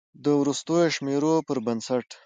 د وروستیو شمیرو پر بنسټ